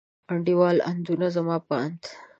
انډول، اندونه، زما په اند.